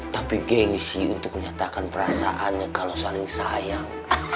tapi gengsi untuk menyatakan perasaannya kalau saling sayang